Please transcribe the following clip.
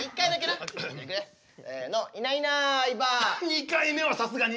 ２回目はさすがに。